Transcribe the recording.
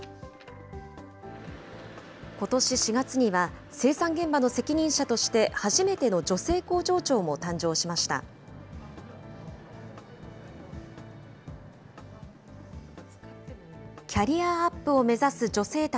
ことし４月には、生産現場の責任者として、初めての女性工場長も誕生しました。